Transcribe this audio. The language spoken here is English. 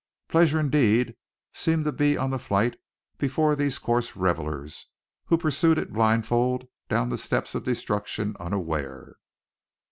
Pleasure, indeed, seemed on the flight before these coarse revelers, who pursued it blindfold down the steeps of destruction unaware.